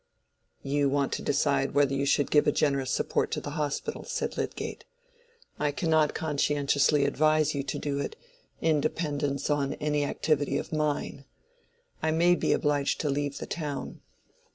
"You want to decide whether you should give a generous support to the Hospital," said Lydgate. "I cannot conscientiously advise you to do it in dependence on any activity of mine. I may be obliged to leave the town."